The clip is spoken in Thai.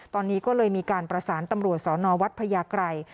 ตอนนี้ก็เลยมีการประสานตำรวจสนวัดพญาไกร